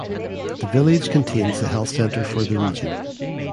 The village contains the health centre for the region.